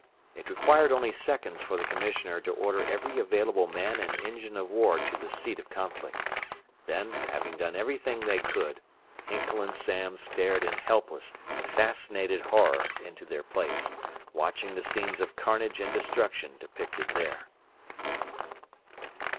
It required only seconds for the commissioner to order every available man and engine of war to the seat of conflict; then, having done everything they could, Hinkle and Samms stared in helpless, fascinated horror into their plates, watching the scenes of carnage and destruction depicted there.